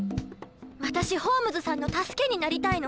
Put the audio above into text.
私ホームズさんの助けになりたいの。